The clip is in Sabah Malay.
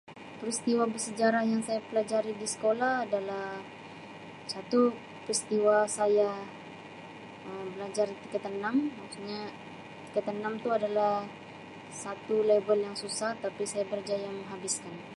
Peristiwa bersejarah yang saya pelajari di sekolah adalah satu peristiwa saya Um belajar di tingkatan enam maksudnya tingkatan enam tu adalah satu level yang susah tapi saya berjaya menghabiskan.